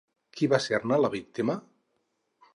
Qui va ser-ne la víctima?